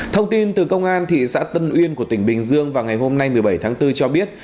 thông tin từ công an thị xã tân uyên của tỉnh bình dương vào ngày hôm nay một mươi bảy tháng bốn cho biết